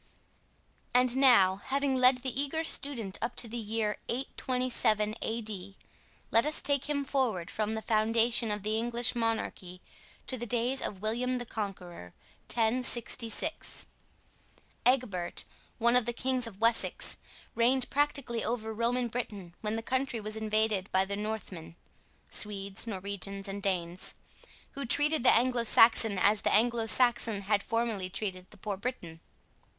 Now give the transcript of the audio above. And now, having led the eager student up to the year 827 A.D., let us take him forward from the foundation of the English monarchy to the days of William the Conqueror, 1066. Egbert, one of the kings of Wessex, reigned practically over Roman Britain when the country was invaded by the Northmen (Swedes, Norwegians, and Danes), who treated the Anglo Saxon as the Anglo Saxon had formerly treated the poor Briton.